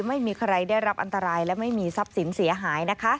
ไม่มีใครได้รับอันตรายและไม่มีทรัพย์สินเสียหายนะคะ